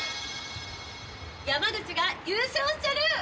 山口が優勝しちゃる！